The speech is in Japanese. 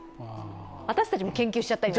私たちも研究しちゃったり。